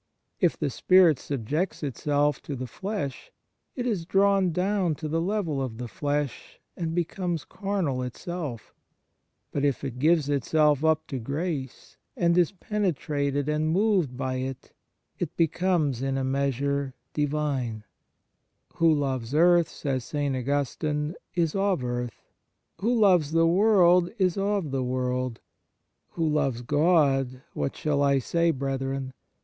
If the spirit subjects itself to the flesh, it is drawn down to the level of the flesh and 1 2 Cor. v. 4. 2 2 Cor. iv. 16. 25 THE MARVELS OF DIVINE GRACE becomes carnal itself; but if it gives itself up to grace, and is penetrated and moved by it, it becomes in a measure Divine. " Who loves earth," says St. Augustine, " is of earth; who loves the world is of the world; who loves God, what shall I say, brethren